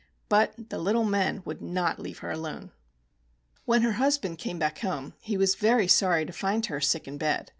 But the little men would not leave her alone. When her husband came back home, he was very sorry to find her sick in bed.